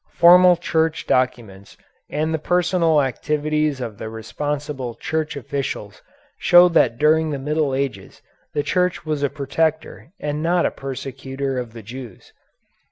Formal Church documents and the personal activities of the responsible Church officials show that during the Middle Ages the Church was a protector and not a persecutor of the Jews.